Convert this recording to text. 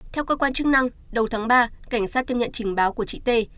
theo cơ quan chức năng đầu tháng ba cảnh sát tiếp nhận trình báo của chị t